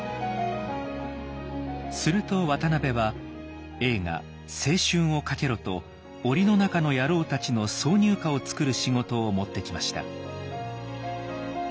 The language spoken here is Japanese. すると渡辺は映画「青春を賭けろ」と「檻の中の野郎たち」の挿入歌を作る仕事を持ってきました。